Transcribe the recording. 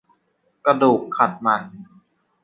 กระดูกขัดมัน